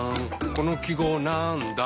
この記号なんだ？